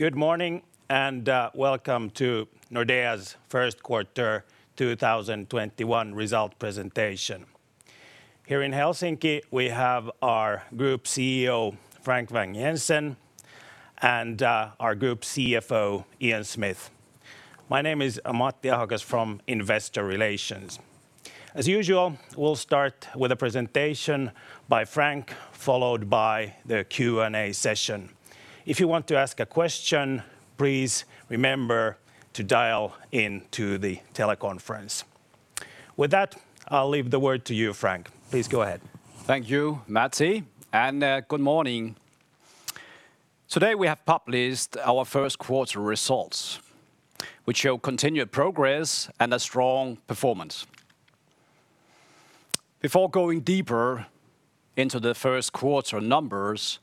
Good morning, and welcome to Nordea's first quarter 2021 result presentation. Here in Helsinki, we have our Group CEO, Frank Vang-Jensen, and our Group CFO, Ian Smith. My name is Matti Ahokas from Investor Relations. As usual, we'll start with a presentation by Frank, followed by the Q&A session. If you want to ask a question, please remember to dial into the teleconference. With that, I'll leave the word to you, Frank. Please go ahead. Thank you, Matti, and good morning. Today we have published our first quarter results, which show continued progress and a strong performance. Before going deeper into the first quarter numbers,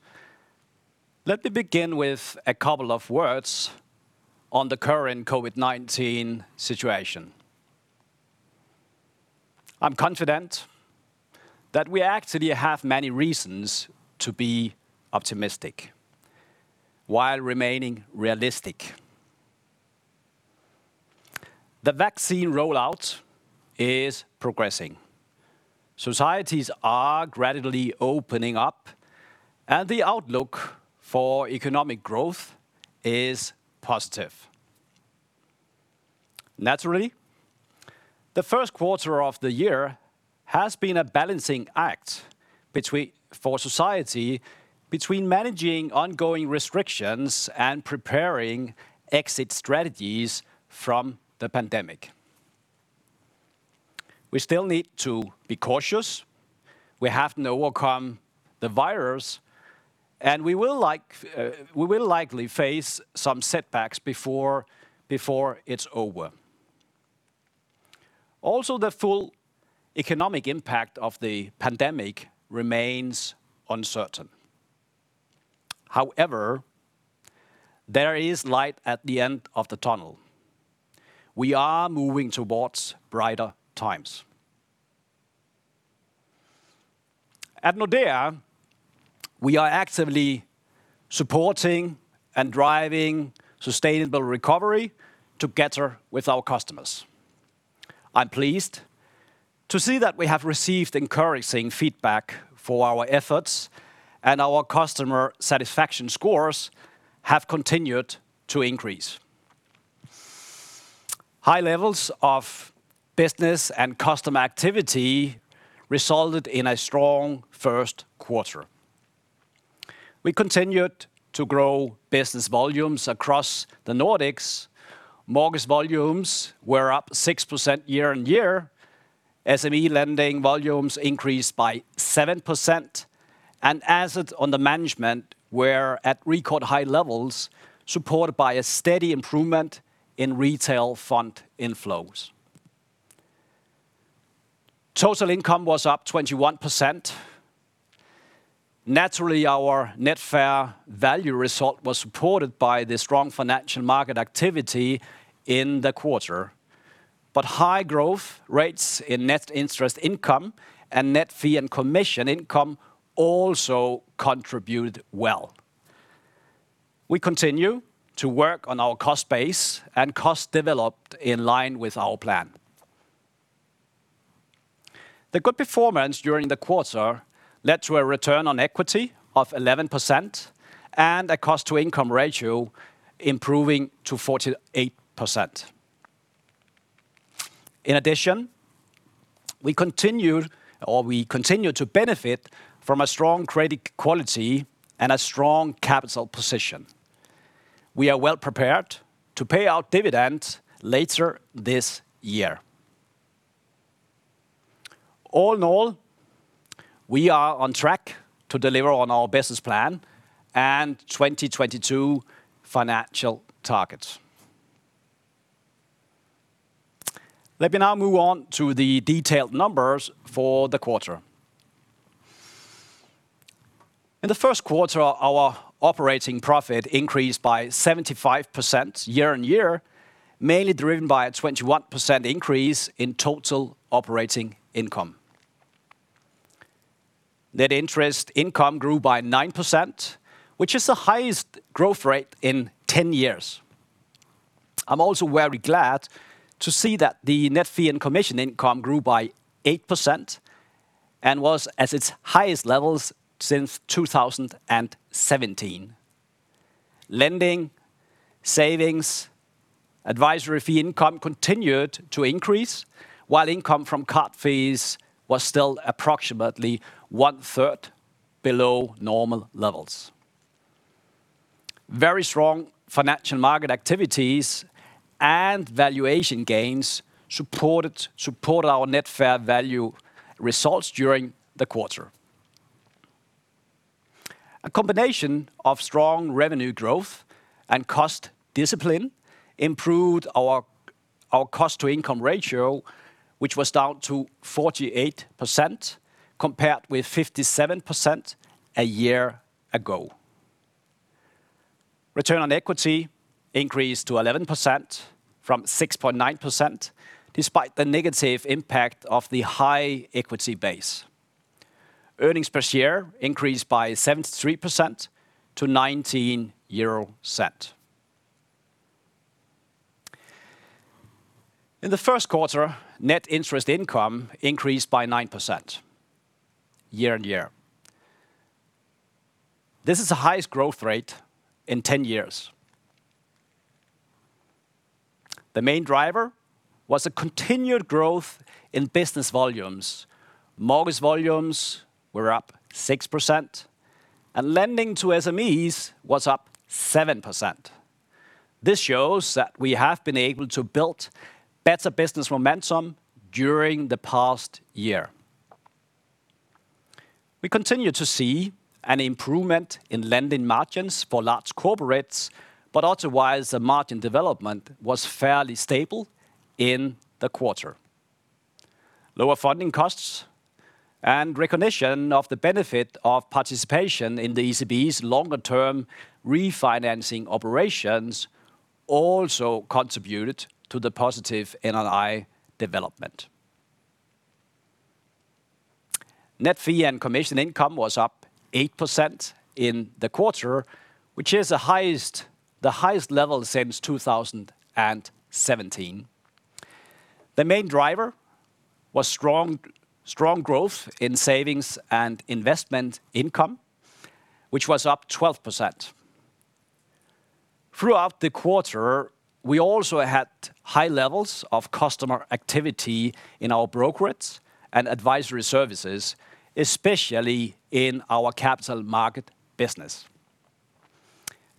let me begin with a couple of words on the current COVID-19 situation. I'm confident that we actually have many reasons to be optimistic while remaining realistic. The vaccine rollout is progressing. Societies are gradually opening up. The outlook for economic growth is positive. Naturally, the first quarter of the year has been a balancing act for society between managing ongoing restrictions and preparing exit strategies from the pandemic. We still need to be cautious. We have to overcome the virus. We will likely face some setbacks before it's over. The full economic impact of the pandemic remains uncertain. There is light at the end of the tunnel. We are moving towards brighter times. At Nordea, we are actively supporting and driving sustainable recovery together with our customers. I am pleased to see that we have received encouraging feedback for our efforts, and our customer satisfaction scores have continued to increase. High levels of business and customer activity resulted in a strong first quarter. We continued to grow business volumes across the Nordics. Mortgage volumes were up 6% year-on-year. SME lending volumes increased by 7%, and assets under management were at record high levels, supported by a steady improvement in retail fund inflows. Total income was up 21%. Naturally, our net fair value result was supported by the strong financial market activity in the quarter. High growth rates in net interest income and net fee and commission income also contributed well. We continue to work on our cost base, and cost developed in line with our plan. The good performance during the quarter led to a return on equity of 11% and a cost-to-income ratio improving to 48%. In addition, we continue to benefit from a strong credit quality and a strong capital position. We are well prepared to pay out dividends later this year. All in all, we are on track to deliver on our business plan and 2022 financial targets. Let me now move on to the detailed numbers for the quarter. In the first quarter, our operating profit increased by 75% year-on-year, mainly driven by a 21% increase in total operating income. Net interest income grew by 9%, which is the highest growth rate in 10 years. I'm also very glad to see that the net fee and commission income grew by 8% and was at its highest levels since 2017. Lending, savings, advisory fee income continued to increase, while income from card fees was still approximately one third below normal levels. Very strong financial market activities and valuation gains support our net fair value results during the quarter. A combination of strong revenue growth and cost discipline improved our cost-to-income ratio, which was down to 48%, compared with 57% a year ago. Return on equity increased to 11% from 6.9%, despite the negative impact of the high equity base. Earnings per share increased by 73% to EUR 0.19. In the first quarter, net interest income increased by 9% year-over-year. This is the highest growth rate in 10 years. The main driver was a continued growth in business volumes. Mortgage volumes were up 6%, and lending to SMEs was up 7%. This shows that we have been able to build better business momentum during the past year. We continue to see an improvement in lending margins for large corporates, but otherwise, the margin development was fairly stable in the quarter. Lower funding costs and recognition of the benefit of participation in the ECB's longer-term refinancing operations also contributed to the positive NII development. Net fee and commission income was up 8% in the quarter, which is the highest level since 2017. The main driver was strong growth in savings and investment income, which was up 12%. Throughout the quarter, we also had high levels of customer activity in our brokerage and advisory services, especially in our capital market business.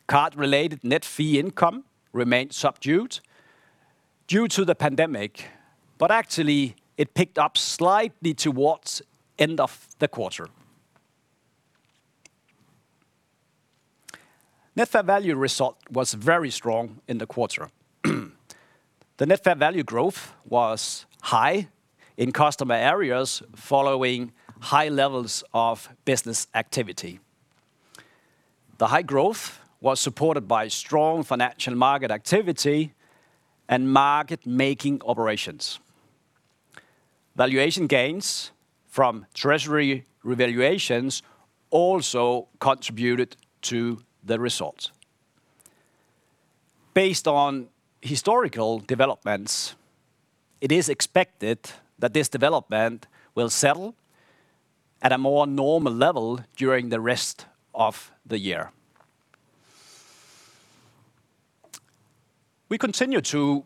Card-related net fee income remained subdued due to the pandemic, but actually, it picked up slightly towards end of the quarter. Net fair value result was very strong in the quarter. The net fair value growth was high in customer areas following high levels of business activity. The high growth was supported by strong financial market activity and market-making operations. Valuation gains from treasury revaluations also contributed to the result. Based on historical developments, it is expected that this development will settle at a more normal level during the rest of the year. We continue to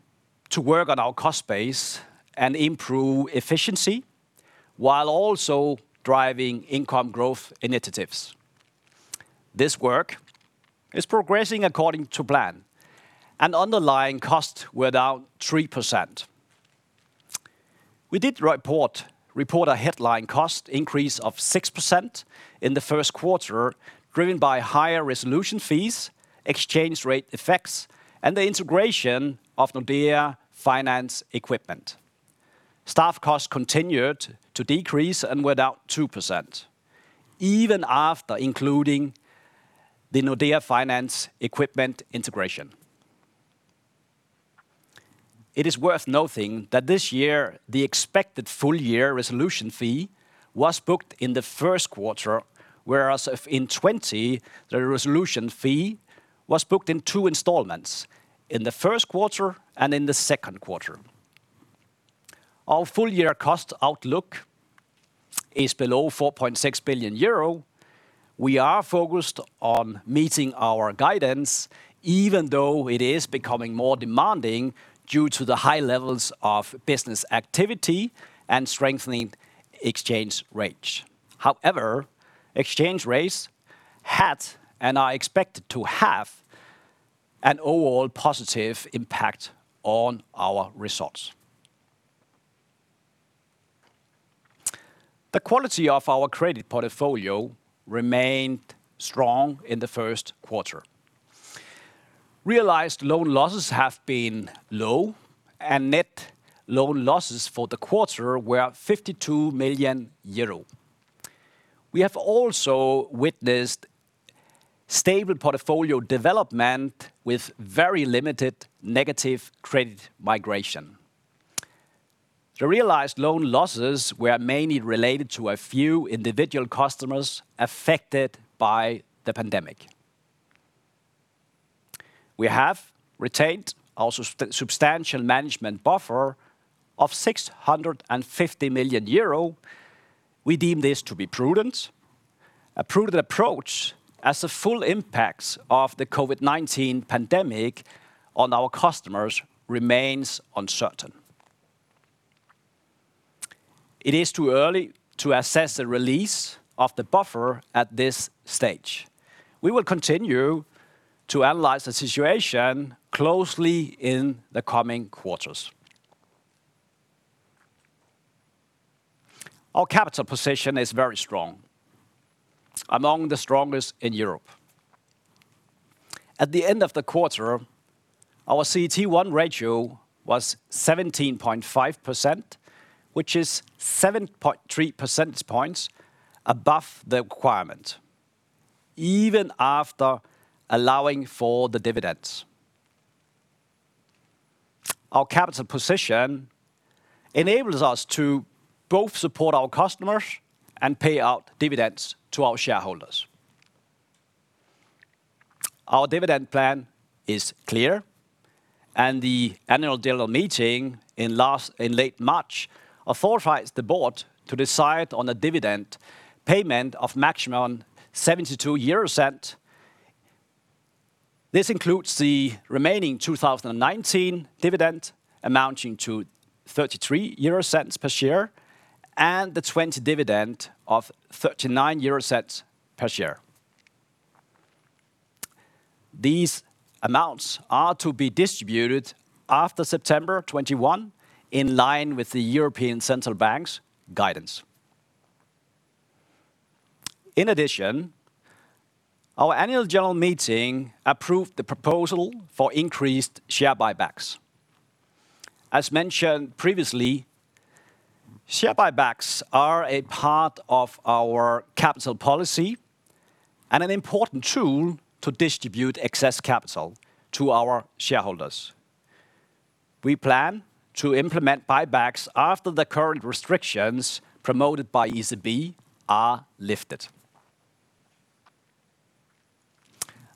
work on our cost base and improve efficiency while also driving income growth initiatives. This work is progressing according to plan, and underlying costs were down 3%. We did report a headline cost increase of 6% in the first quarter, driven by higher resolution fees, exchange rate effects, and the integration of Nordea Finance Equipment. Staff costs continued to decrease and were down 2%, even after including the Nordea Finance Equipment integration. It is worth noting that this year, the expected full-year resolution fee was booked in Q1, whereas in 2020, the resolution fee was booked in two installments, in Q1 and in Q2. Our full-year cost outlook is below 4.6 billion euro. We are focused on meeting our guidance, even though it is becoming more demanding due to the high levels of business activity and strengthening exchange rates. However, exchange rates had, and are expected to have, an overall positive impact on our results. The quality of our credit portfolio remained strong in Q1. Realized loan losses have been low, and net loan losses for the quarter were at 52 million euro. We have also witnessed stable portfolio development with very limited negative credit migration. The realized loan losses were mainly related to a few individual customers affected by the pandemic. We have retained our substantial management buffer of 650 million euro. We deem this to be prudent, a prudent approach as the full impacts of the COVID-19 pandemic on our customers remains uncertain. It is too early to assess the release of the buffer at this stage. We will continue to analyze the situation closely in the coming quarters. Our capital position is very strong, among the strongest in Europe. At the end of the quarter, our CET1 ratio was 17.5%, which is 7.3 percentage points above the requirement, even after allowing for the dividends. Our capital position enables us to both support our customers and pay out dividends to our shareholders. Our dividend plan is clear. The annual general meeting in late March authorized the board to decide on a dividend payment of maximum 0.72. This includes the remaining 2019 dividend amounting to 0.33 per share, and the 2020 dividend of 0.39 per share. These amounts are to be distributed after September 21, in line with the European Central Bank's guidance. In addition, our annual general meeting approved the proposal for increased share buybacks. As mentioned previously, share buybacks are a part of our capital policy and an important tool to distribute excess capital to our shareholders. We plan to implement buybacks after the current restrictions promoted by ECB are lifted.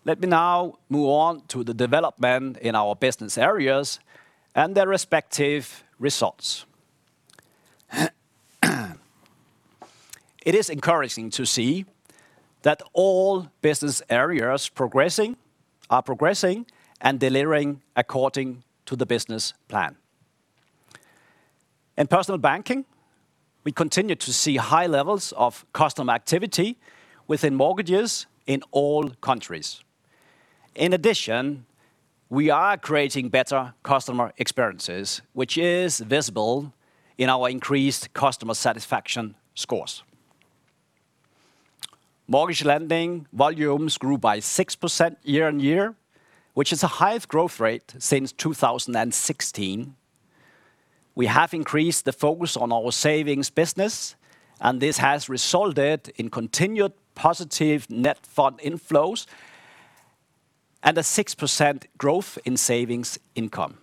Let me now move on to the development in our business areas and their respective results. It is encouraging to see that all business areas are progressing and delivering according to the business plan. In personal banking, we continue to see high levels of customer activity within mortgages in all countries. In addition, we are creating better customer experiences, which is visible in our increased customer satisfaction scores. Mortgage lending volumes grew by 6% year-on-year, which is the highest growth rate since 2016. We have increased the focus on our savings business, and this has resulted in continued positive net fund inflows and a 6% growth in savings income.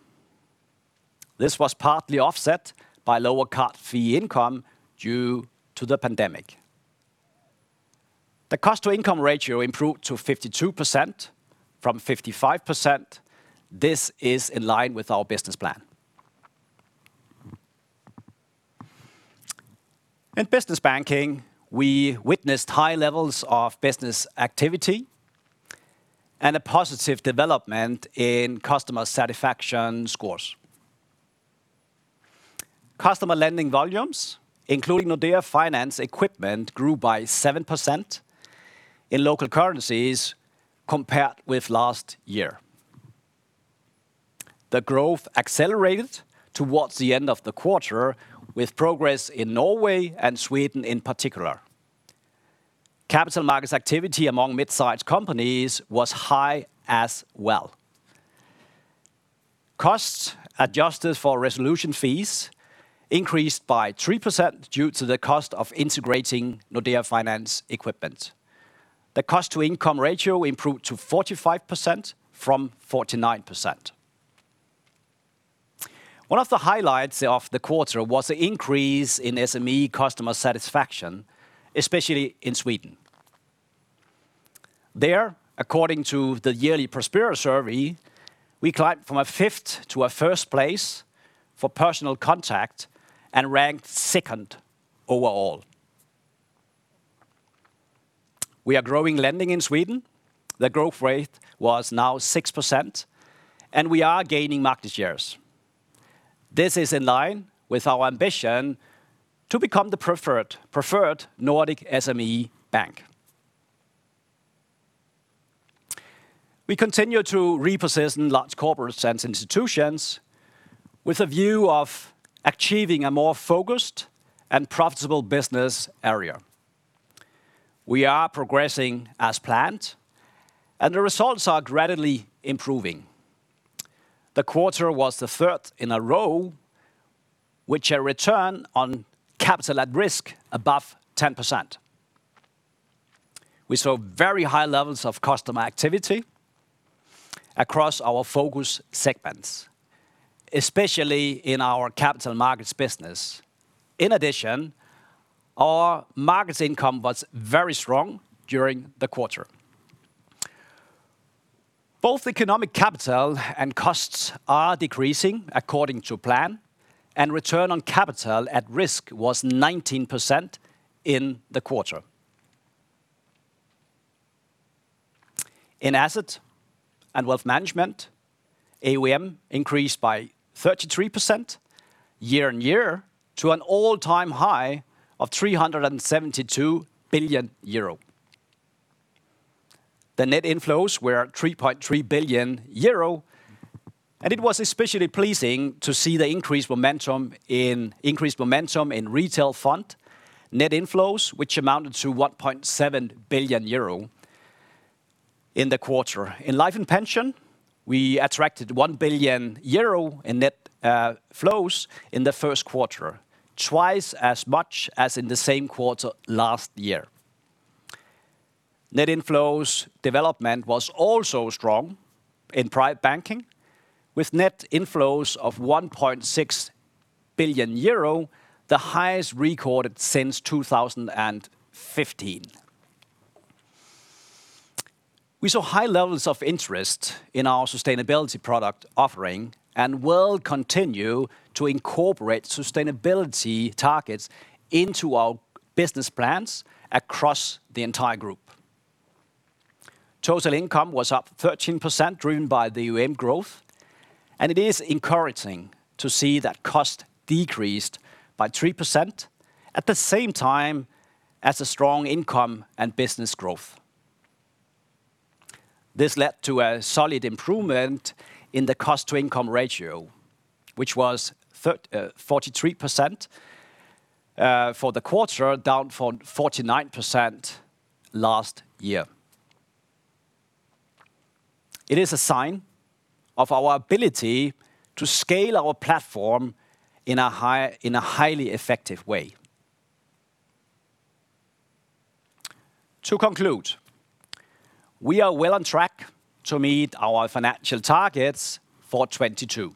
This was partly offset by lower card fee income due to the pandemic. The cost-to-income ratio improved to 52% from 55%. This is in line with our business plan. In business banking, we witnessed high levels of business activity and a positive development in customer satisfaction scores. Customer lending volumes, including Nordea Finance Equipment, grew by 7% in local currencies compared with last year. The growth accelerated towards the end of the quarter, with progress in Norway and Sweden in particular. Capital markets activity among mid-size companies was high as well. Costs, adjusted for resolution fees, increased by 3% due to the cost of integrating Nordea Finance Equipment. The cost-to-income ratio improved to 45% from 49%. One of the highlights of the quarter was the increase in SME customer satisfaction, especially in Sweden. There, according to the yearly Prospera survey, we climbed from a fifth to a first place for personal contact and ranked second overall. We are growing lending in Sweden. The growth rate was now 6%, and we are gaining market shares. This is in line with our ambition to become the preferred Nordic SME bank. We continue to reposition large corporate and institutions with a view of achieving a more focused and profitable business area. We are progressing as planned, and the results are gradually improving. The quarter was the third in a row with a return on capital at risk above 10%. We saw very high levels of customer activity across our focus segments, especially in our capital markets business. In addition, our markets income was very strong during the quarter. Both economic capital and costs are decreasing according to plan, and return on capital at risk was 19% in the quarter. In asset and wealth management, AUM increased by 33% year-on-year to an all-time high of 372 billion euro. The net inflows were 3.3 billion euro, and it was especially pleasing to see the increased momentum in retail fund net inflows, which amounted to 1.7 billion euro in the quarter. In life and pension, we attracted 1 billion euro in net flows in the first quarter, twice as much as in the same quarter last year. Net inflows development was also strong in private banking with net inflows of 1.6 billion euro, the highest recorded since 2015. We saw high levels of interest in our sustainability product offering and will continue to incorporate sustainability targets into our business plans across the entire group. Total income was up 13%, driven by the AUM growth, and it is encouraging to see that cost decreased by 3% at the same time as a strong income and business growth. This led to a solid improvement in the cost-to-income ratio, which was 43% for the quarter, down from 49% last year. It is a sign of our ability to scale our platform in a highly effective way. To conclude, we are well on track to meet our financial targets for 2022.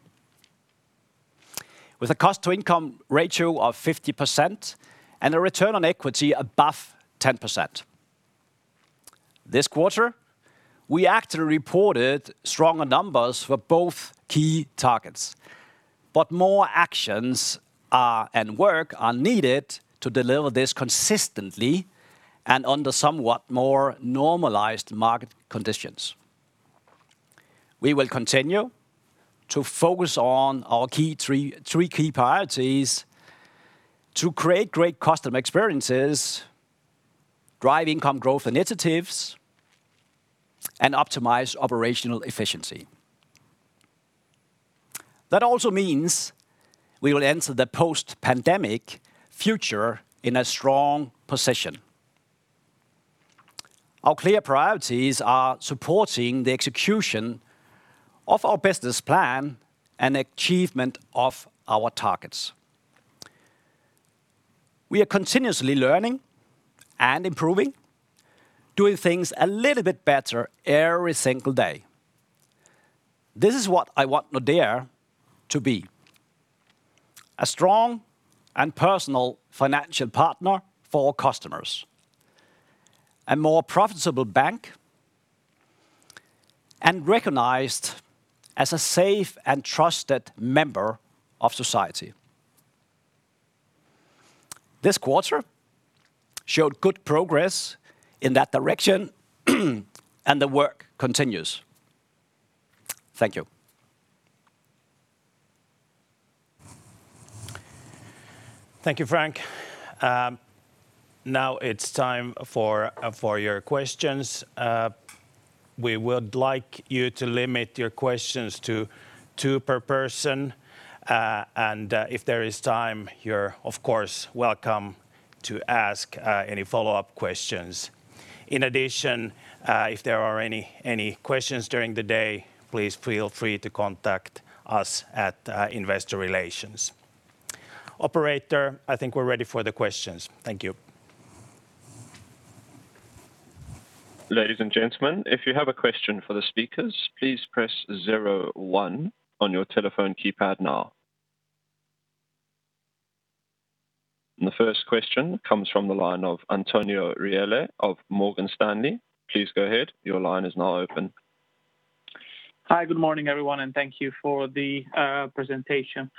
With a cost-to-income ratio of 50% and a return on equity above 10%. This quarter, we actually reported stronger numbers for both key targets, but more actions and work are needed to deliver this consistently and under somewhat more normalized market conditions. We will continue to focus on our three key priorities to create great customer experiences, drive income growth initiatives, and optimize operational efficiency. That also means we will enter the post-pandemic future in a strong position. Our clear priorities are supporting the execution of our business plan and achievement of our targets. We are continuously learning and improving, doing things a little bit better every single day. This is what I want Nordea to be, a strong and personal financial partner for customers, a more profitable bank, and recognized as a safe and trusted member of society. This quarter showed good progress in that direction, and the work continues. Thank you. Thank you, Frank. Now it's time for your questions. We would like you to limit your questions to two per person. If there is time, you're, of course, welcome to ask any follow-up questions. In addition, if there are any questions during the day, please feel free to contact us at Investor Relations. Operator, I think we're ready for the questions. Thank you. Ladies and gentlemen, if you have a question for the speakers, please press zero one on your telephone keypad now. The first question comes from the line of Antonio Rusli of Morgan Stanley. Please go ahead. Hi. Good morning, everyone, thank you for the presentation.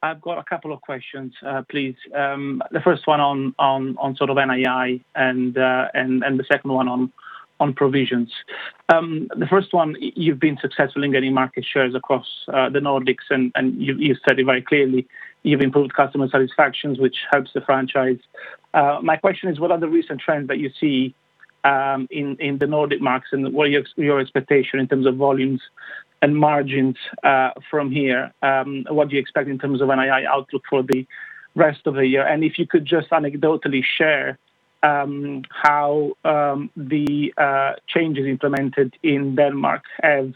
I've got a couple of questions, please. The first one on sort of NII and the second one on provisions. The first one, you've been successful in getting market shares across the Nordics, and you've said it very clearly, you've improved customer satisfaction, which helps the franchise. My question is, what are the recent trends that you see in the Nordic markets, and what are your expectations in terms of volumes and margins from here? What do you expect in terms of NII outlook for the rest of the year? If you could just anecdotally share how the changes implemented in Denmark have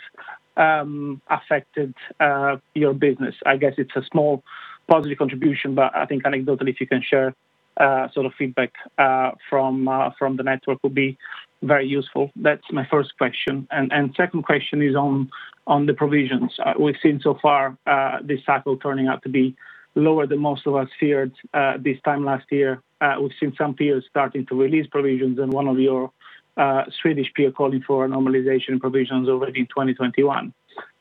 affected your business. I guess it's a small positive contribution, but I think anecdotally, if you can share feedback from the network would be very useful. That's my first question. Second question is on the provisions. We've seen so far, this cycle turning out to be lower than most of us feared this time last year. We've seen some peers starting to release provisions and one of your Swedish peer calling for a normalization in provisions already in 2021.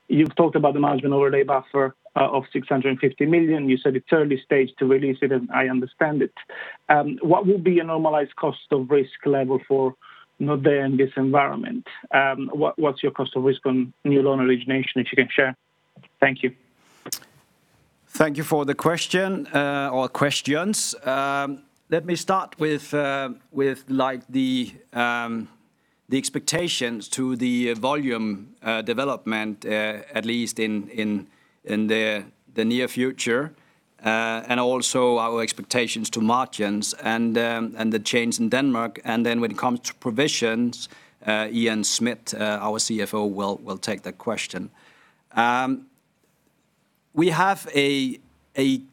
You've talked about the management overlay buffer of 650 million. You said it's early stage to release it, and I understand it. What would be a normalized cost of risk level for Nordea in this environment? What's your cost of risk on new loan origination, if you can share? Thank you. Thank you for the question or questions. Let me start with the The expectations to the volume development, at least in the near future, and also our expectations to margins and the change in Denmark. Then when it comes to provisions, Ian Smith, our CFO, will take that question. We have a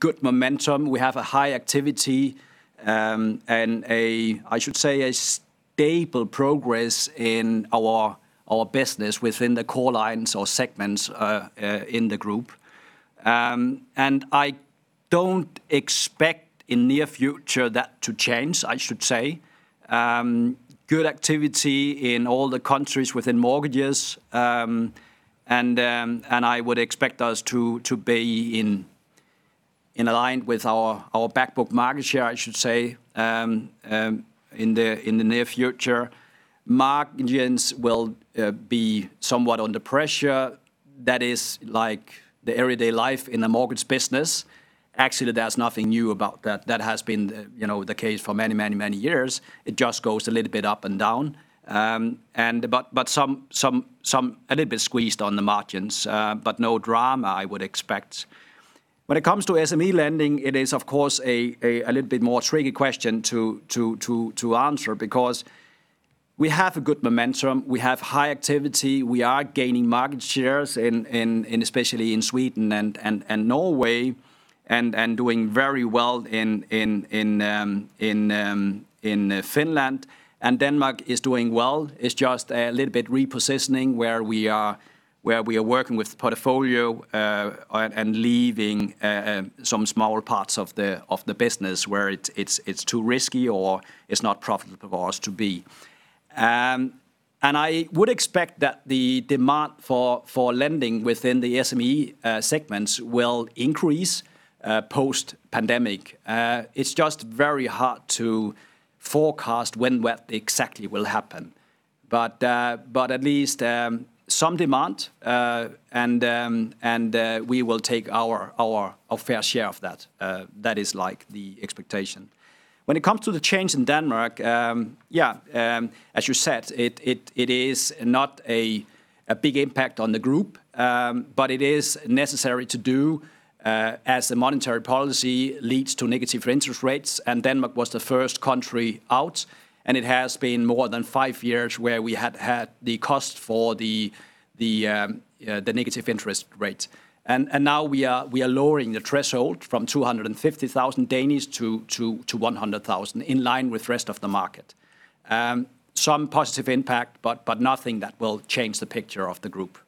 good momentum. We have a high activity and, I should say, a stable progress in our business within the core lines or segments in the group. I don't expect in near future that to change, I should say. Good activity in all the countries within mortgages. I would expect us to be in align with our back book market share, I should say, in the near future. Margins will be somewhat under pressure. That is the everyday life in the mortgage business. Actually, there's nothing new about that. That has been the case for many years. It just goes a little bit up and down. A little bit squeezed on the margins, but no drama I would expect. When it comes to SME lending, it is of course, a little bit more tricky question to answer because we have a good momentum, we have high activity, we are gaining market shares especially in Sweden and Norway, and doing very well in Finland, and Denmark is doing well. It's just a little bit repositioning where we are working with the portfolio, and leaving some smaller parts of the business where it's too risky or it's not profitable for us to be. I would expect that the demand for lending within the SME segments will increase post pandemic. It's just very hard to forecast when that exactly will happen. At least some demand, and we will take our fair share of that. That is the expectation. It comes to the change in Denmark, as you said, it is not a big impact on the group. It is necessary to do as the monetary policy leads to negative interest rates. Denmark was the first country out. It has been more than five years where we had the cost for the negative interest rate. Now we are lowering the threshold from 250,000 to 100,000 in line with the rest of the market. Some positive impact, nothing that will change the picture of the group.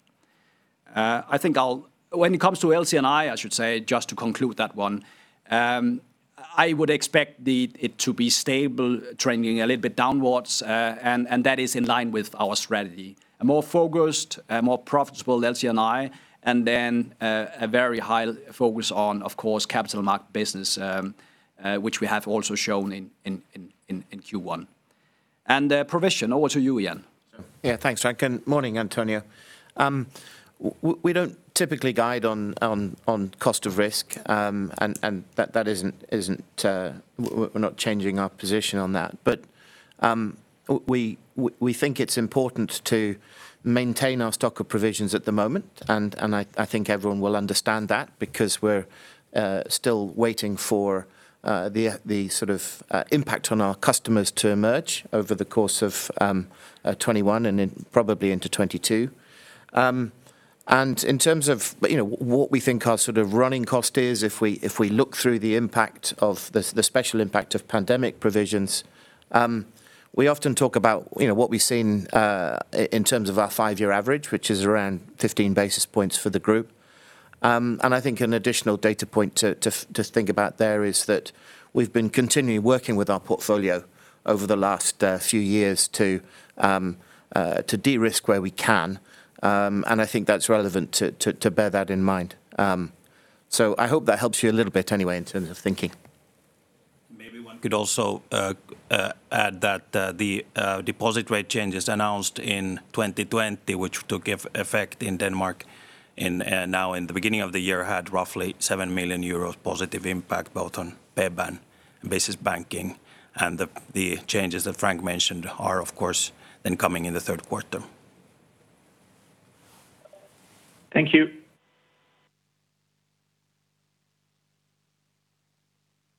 It comes to LC&I should say, just to conclude that one, I would expect it to be stable, trending a little bit downwards. That is in line with our strategy. A more focused, a more profitable LC&I, a very high focus on, of course, capital market business, which we have also shown in Q1. Provision, over to you, Ian. Thanks, Frank, and morning, Antonio. We don't typically guide on cost of risk. We're not changing our position on that. We think it's important to maintain our stock of provisions at the moment, and I think everyone will understand that because we're still waiting for the impact on our customers to emerge over the course of 2021 and probably into 2022. In terms of what we think our running cost is, if we look through the special impact of pandemic provisions, we often talk about what we've seen in terms of our five-year average, which is around 15 basis points for the group. I think an additional data point to think about there is that we've been continually working with our portfolio over the last few years to de-risk where we can. I think that's relevant to bear that in mind. I hope that helps you a little bit anyway, in terms of thinking. Maybe one could also add that the deposit rate changes announced in 2020, which to give effect in Denmark now in the beginning of the year, had roughly 7 million euros positive impact, both on personal banking and business banking. The changes that Frank mentioned are, of course, then coming in the third quarter. Thank you.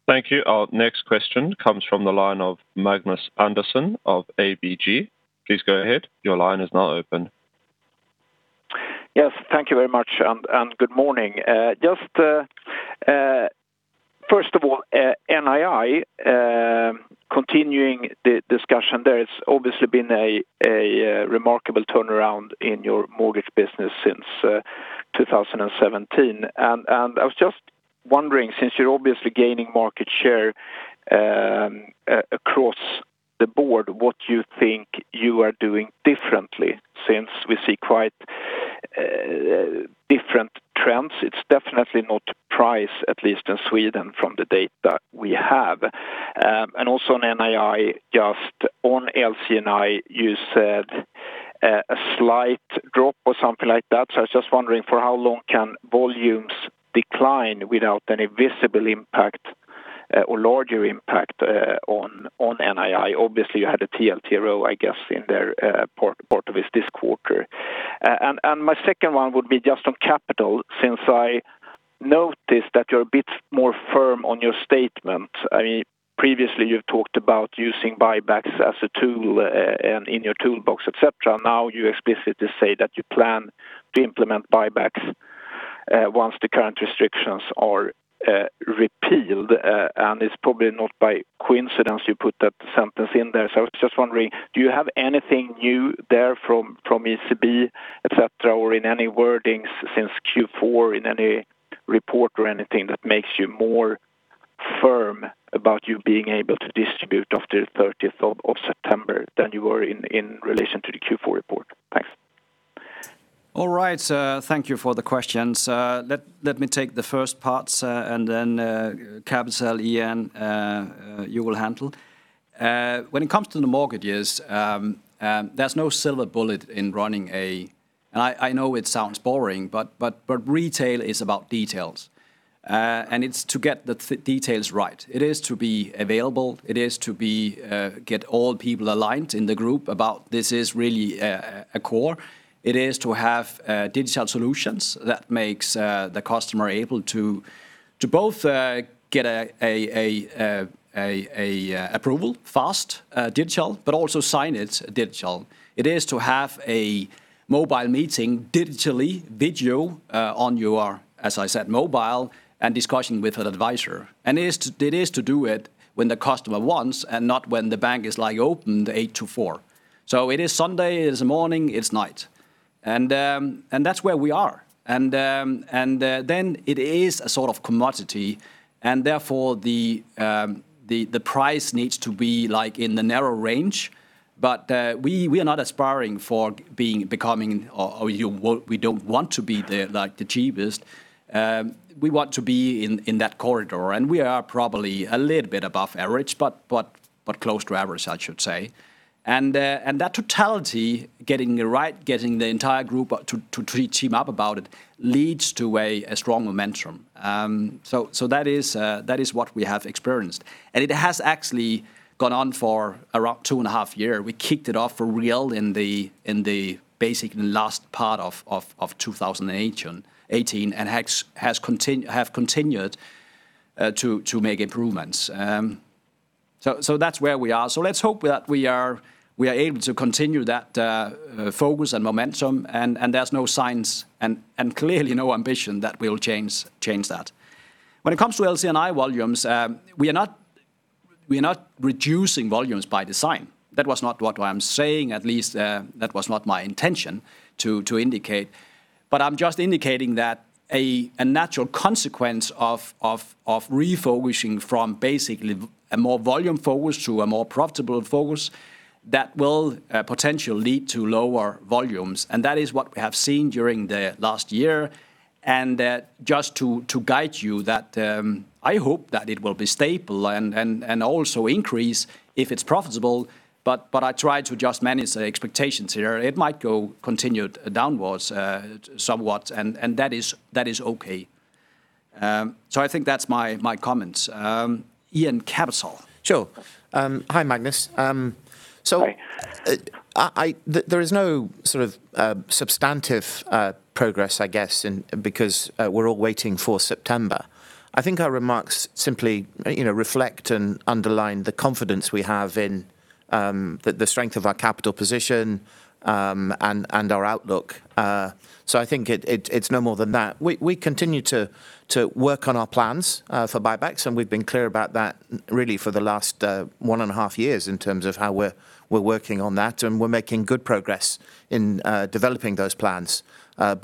Thank you. Our next question comes from the line of Magnus Andersson of ABG. Yes. Thank you very much, and good morning. First of all, NII, continuing the discussion there, it's obviously been a remarkable turnaround in your mortgage business since 2017. I was just wondering, since you're obviously gaining market share across the board, what you think you are doing differently since we see quite different trends. It's definitely not price, at least in Sweden from the data we have. Also on NII, just on LC&I, you said a slight drop or something like that. I was just wondering for how long can volumes decline without any visible impact or larger impact on NII? Obviously, you had a TLTRO, I guess, in their portfolios this quarter. My second one would be just on capital since I noticed that you're a bit more firm on your statement. Previously you've talked about using buybacks as a tool and in your toolbox, et cetera. Now you explicitly say that you plan to implement buybacks once the current restrictions are repealed. It's probably not by coincidence you put that sentence in there. I was just wondering, do you have anything new there from ECB, et cetera, or in any wordings since Q4 in any report or anything that makes you more firm about you being able to distribute after 30th of September than you were in relation to the Q4 report? Thanks. All right. Thank you for the questions. Let me take the first parts and then Ian, you will handle. When it comes to the mortgages, there's no silver bullet in running. I know it sounds boring, but retail is about details. It's to get the details right. It is to be available, it is to get all people aligned in the group about this is really a core. It is to have digital solutions that makes the customer able to both get a approval fast, digital, but also sign it digital. It is to have a mobile meeting digitally video, on your, as I said, mobile and discussion with an advisor. It is to do it when the customer wants and not when the bank is open 8:00 A.M. to 4:00 P.M. It is Sunday, it is morning, it's night. That's where we are. Then it is a sort of commodity and therefore the price needs to be in the narrow range. We are not aspiring for becoming, or we don't want to be the cheapest. We want to be in that corridor. We are probably a little bit above average, but close to average, I should say. That totality, getting it right, getting the entire group to team up about it leads to a strong momentum. That is what we have experienced. It has actually gone on for around two and a half year. We kicked it off for real in the basically last part of 2018 and have continued to make improvements. That's where we are. Let's hope that we are able to continue that focus and momentum and there's no signs and clearly no ambition that we'll change that. When it comes to LC&I volumes, we are not reducing volumes by design. That was not what I'm saying, at least that was not my intention to indicate. I'm just indicating that a natural consequence of refocusing from basically a more volume focus to a more profitable focus that will potentially lead to lower volumes. That is what we have seen during the last year. That just to guide you that I hope that it will be stable and also increase if it's profitable. I try to just manage the expectations here. It might go continued downwards somewhat. That is okay. I think that's my comments. Ian, Capital. Sure. Hi Magnus. Hi. There is no sort of substantive progress, I guess, because we're all waiting for September. I think our remarks simply reflect and underline the confidence we have in the strength of our capital position, and our outlook. I think it's no more than that. We continue to work on our plans for buybacks, we've been clear about that really for the last one and a half years in terms of how we're working on that, and we're making good progress in developing those plans.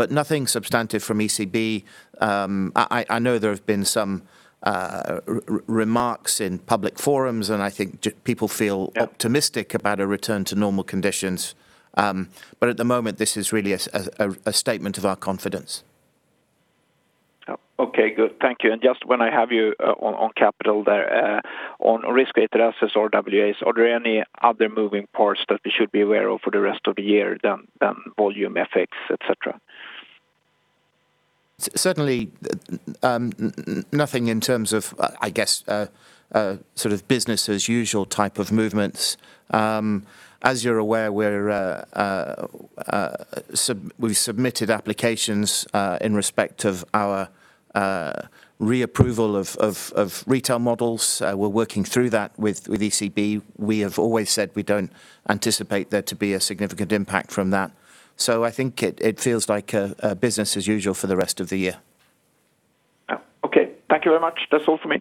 Nothing substantive from ECB. I know there have been some remarks in public forums, and I think people feel optimistic about a return to normal conditions. At the moment, this is really a statement of our confidence. Okay, good. Thank you. Just when I have you on capital there, on risk-weighted assets or RWAs, are there any other moving parts that we should be aware of for the rest of the year than volume effects, et cetera? Certainly nothing in terms of, I guess, sort of business as usual type of movements. As you are aware we have submitted applications in respect of our re-approval of retail models. We are working through that with ECB. We have always said we do not anticipate there to be a significant impact from that. I think it feels like business as usual for the rest of the year. Okay. Thank you very much. That's all for me.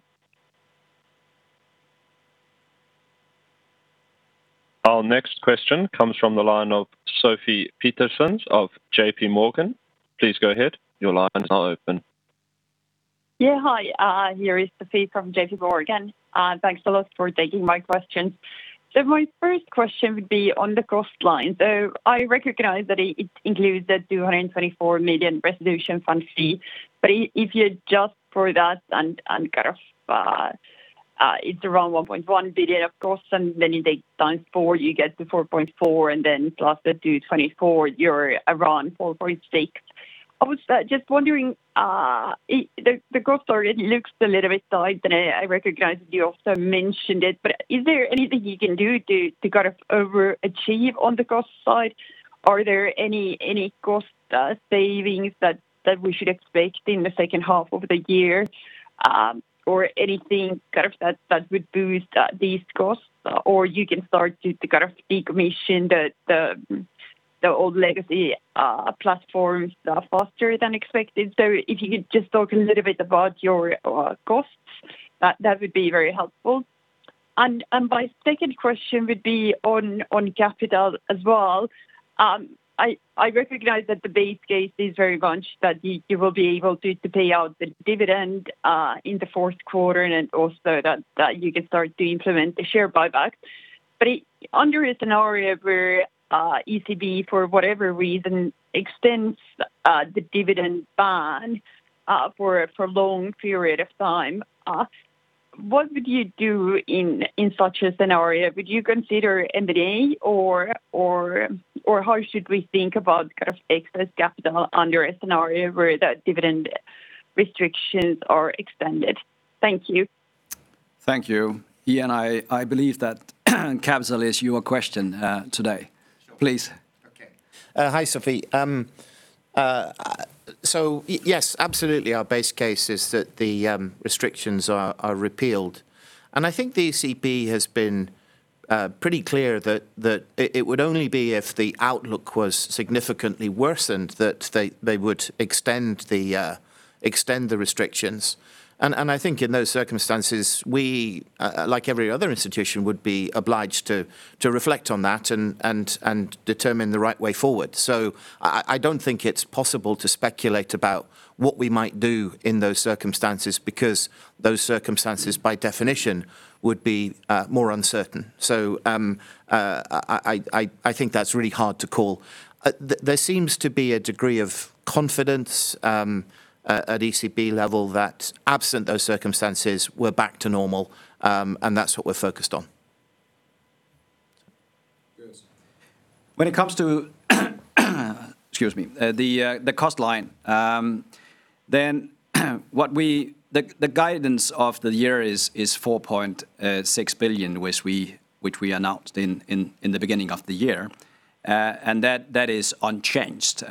Our next question comes from the line of Sofie Peterzens of JPMorgan. Please go ahead. Yeah. Hi, here is Sofie from JPMorgan. Thanks a lot for taking my questions. My first question would be on the cost line. I recognize that it includes the 224 million resolution fund fee, but if you adjust for that. It's around 1.1 billion of costs, and then you take times four, you get the 4.4, and then plus the 224, you're around 4.6. I was just wondering, the growth story looks a little bit tight, and I recognize you also mentioned it, but is there anything you can do to overachieve on the cost side? Are there any cost savings that we should expect in the second half of the year? Anything that would boost these costs, or you can start to decommission the old legacy platforms faster than expected. If you could just talk a little bit about your costs, that would be very helpful. My second question would be on capital as well. I recognize that the base case is very much that you will be able to pay out the dividend in the fourth quarter, and also that you can start to implement the share buyback. Under a scenario where ECB, for whatever reason, extends the dividend ban for a long period of time, what would you do in such a scenario? Would you consider M&A, or how should we think about excess capital under a scenario where the dividend restrictions are extended? Thank you. Thank you. Ian, I believe that capital is your question today. Please. Okay. Hi, Sofie. Yes, absolutely our base case is that the restrictions are repealed. I think the ECB has been pretty clear that it would only be if the outlook was significantly worsened that they would extend the restrictions. I think in those circumstances, we, like every other institution, would be obliged to reflect on that and determine the right way forward. I don't think it's possible to speculate about what we might do in those circumstances, because those circumstances, by definition, would be more uncertain. I think that's really hard to call. There seems to be a degree of confidence at ECB level that absent those circumstances, we're back to normal, and that's what we're focused on. Yes. When it comes to, excuse me, the cost line, the guidance of the year is 4.6 billion, which we announced in the beginning of the year. That is unchanged.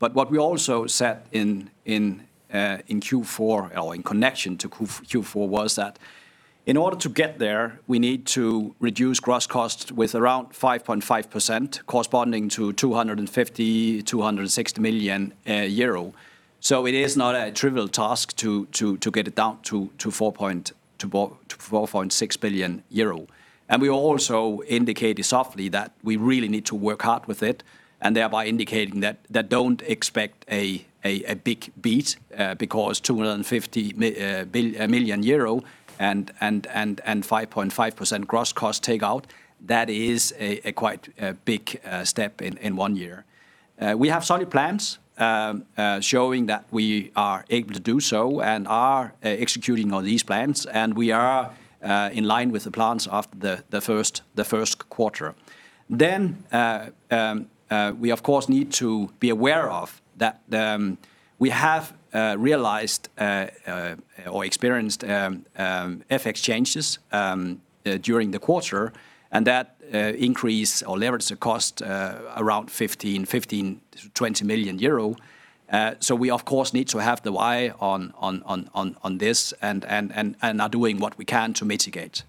What we also set in Q4 or in connection to Q4 was that in order to get there, we need to reduce gross costs with around 5.5%, corresponding to 250 million-260 million euro. It is not a trivial task to get it down to 4.6 billion euro. We also indicated softly that we really need to work hard with it, and thereby indicating that don't expect a big beat because 250 million euro and 5.5% gross cost takeout, that is a quite big step in one year. We have solid plans showing that we are able to do so and are executing on these plans. We are in line with the plans of the first quarter. We of course need to be aware of that we have realized or experienced FX changes during the quarter. That increase or leverage the cost around 15 million-20 million euro. We of course need to have the eye on this and are doing what we can to mitigate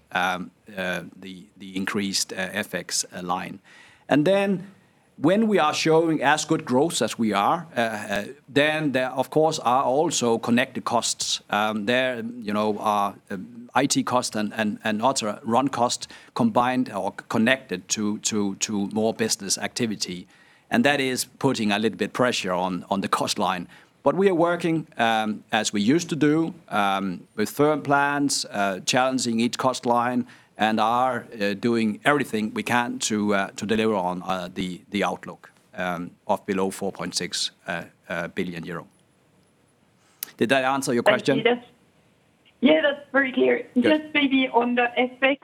the increased FX line. When we are showing as good growth as we are, then there of course are also connected costs. There are IT cost and other run cost combined or connected to more business activity. That is putting a little bit pressure on the cost line. We are working as we used to do with firm plans, challenging each cost line, and are doing everything we can to deliver on the outlook of below 4.6 billion euro. Did that answer your question? Yes. That's very clear. Good. Just maybe on the FX,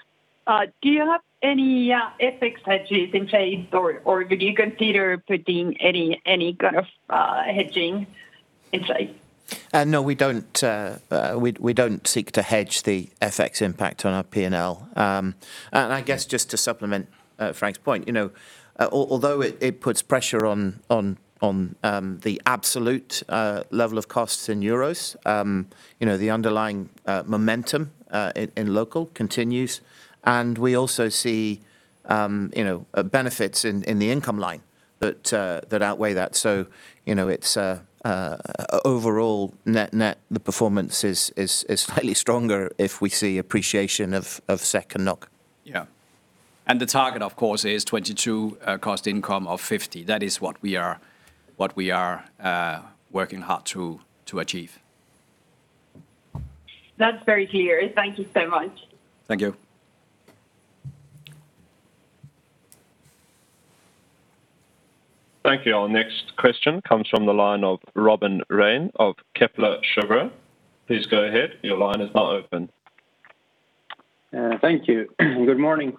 do you have any FX hedges in place or would you consider putting any kind of hedging in place? No, we don't seek to hedge the FX impact on our P&L. I guess just to supplement Frank's point, although it puts pressure on the absolute level of costs in EUR, the underlying momentum in local continues. We also see benefits in the income line that outweigh that. Overall net, the performance is slightly stronger if we see appreciation of SEK and NOK. Yeah. The target of course is 2022 cost income of 50%. That is what we are working hard to achieve. That's very clear. Thank you so much. Thank you. Thank you. Our next question comes from the line of Robin Raine of Kepler Cheuvreux. Please go ahead. Thank you. Good morning.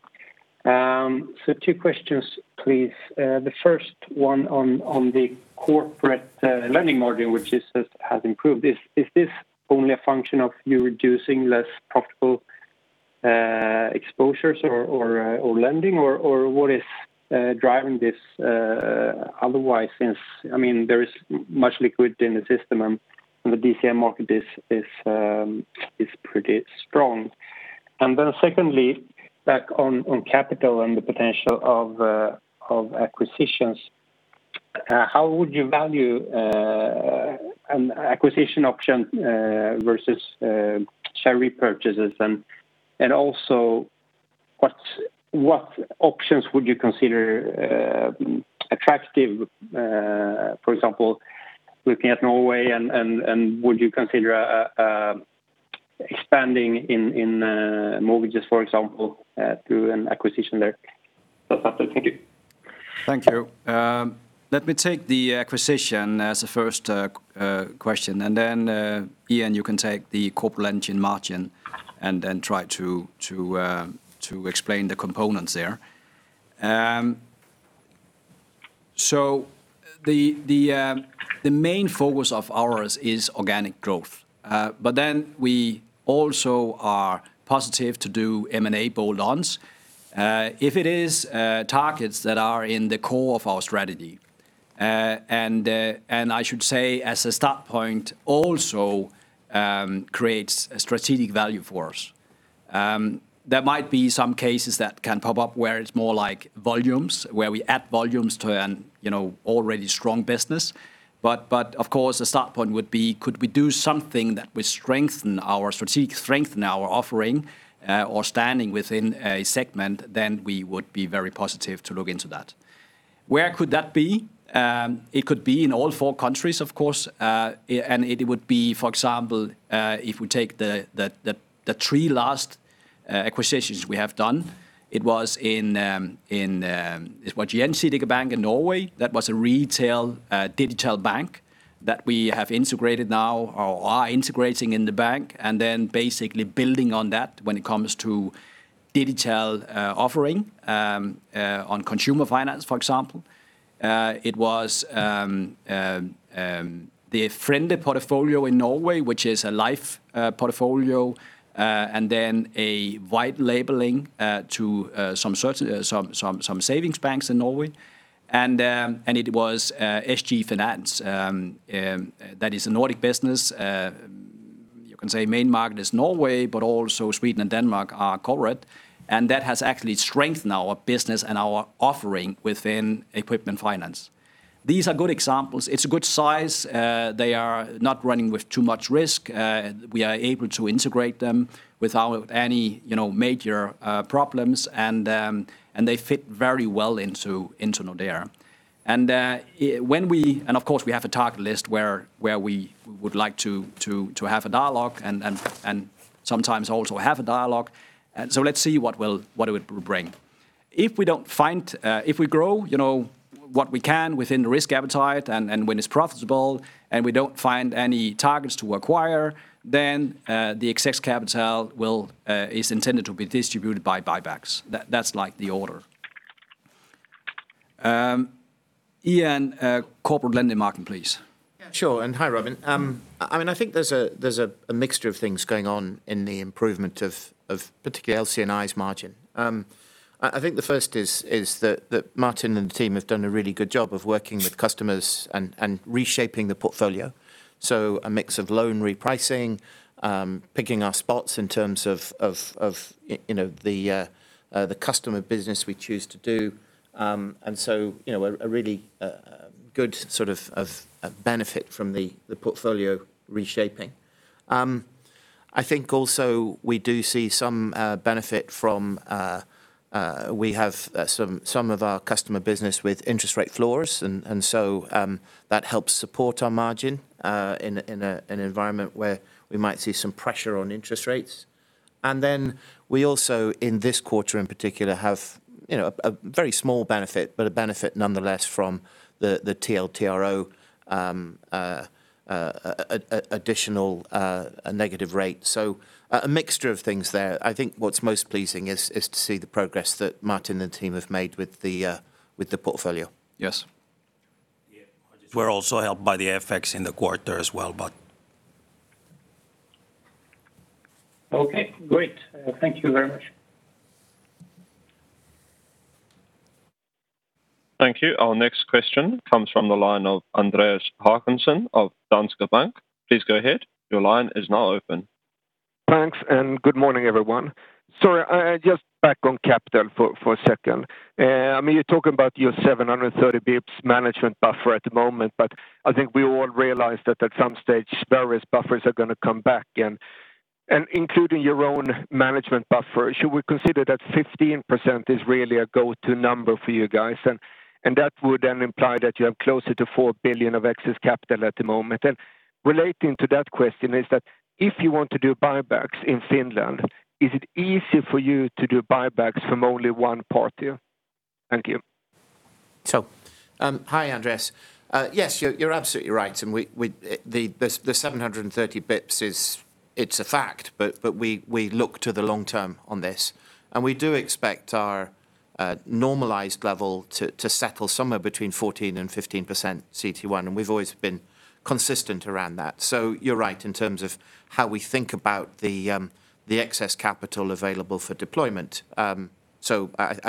Two questions, please. The first one on the corporate lending margin, which has improved. Is this only a function of you reducing less profitable exposures or lending, or what is driving this otherwise, since there is much liquid in the system and the DCM market is pretty strong? Secondly, back on capital and the potential of acquisitions, how would you value an acquisition option versus share repurchases? What options would you consider attractive, for example, looking at Norway and would you consider expanding in mortgages, for example, through an acquisition there? That's that. Thank you. Thank you. Let me take the acquisition as a first question, and then Ian, you can take the corporate lending margin and then try to explain the components there. The main focus of ours is organic growth. We also are positive to do M&A bolt-ons. If it is targets that are in the core of our strategy, and I should say as a start point also creates a strategic value for us. There might be some cases that can pop up where it's more like volumes, where we add volumes to an already strong business. The start point would be could we do something that would strengthen our strategic strength and our offering or standing within a segment, then we would be very positive to look into that. Where could that be? It could be in all four countries, of course. It would be, for example, if we take the three last acquisitions we have done, it was Gjensidige Bank in Norway. That was a retail digital bank that we have integrated now or are integrating in the bank. Then basically building on that when it comes to digital offering on consumer finance, for example. It was the Frende portfolio in Norway, which is a life portfolio, and then a white labeling to some savings banks in Norway. It was SG Finans. That is a Nordic business. You can say main market is Norway, but also Sweden and Denmark are covered, and that has actually strengthened our business and our offering within equipment finance. These are good examples. It's a good size. They are not running with too much risk. We are able to integrate them without any major problems. They fit very well into Nordea. Of course, we have a target list where we would like to have a dialogue and sometimes also have a dialogue. Let's see what it would bring. If we grow what we can within the risk appetite and when it's profitable, and we don't find any targets to acquire, then the excess capital is intended to be distributed by buybacks. That's the order. Ian, corporate lending margin, please. Yeah, sure. Hi, Robin. I think there's a mixture of things going on in the improvement of particularly LC&I's margin. I think the first is that Martin and the team have done a really good job of working with customers and reshaping the portfolio. A mix of loan repricing, picking our spots in terms of the customer business we choose to do. A really good sort of benefit from the portfolio reshaping. I think also we do see some benefit from some of our customer business with interest rate floors. That helps support our margin in an environment where we might see some pressure on interest rates. We also, in this quarter in particular, have a very small benefit, but a benefit nonetheless from the TLTRO additional negative rate. A mixture of things there. I think what's most pleasing is to see the progress that Martin and the team have made with the portfolio. Yes. We're also helped by the FX in the quarter as well, but. Okay, great. Thank you very much. Thank you. Our next question comes from the line of Andreas Håkansson of Danske Bank. Please go ahead. Thanks, good morning, everyone. Sorry, just back on capital for a second. You're talking about your 730 basis points management buffer at the moment, but I think we all realize that at some stage various buffers are going to come back and including your own management buffer. Should we consider that 15% is really a go-to number for you guys? That would then imply that you have closer to 4 billion of excess capital at the moment. Relating to that question is that if you want to do buybacks in Finland, is it easy for you to do buybacks from only one party? Thank you. Hi Andreas. Yes, you're absolutely right. The 730 basis points it's a fact, but we look to the long term on this, and we do expect our normalized level to settle somewhere between 14% and 15% CET1, and we've always been consistent around that. You're right in terms of how we think about the excess capital available for deployment. I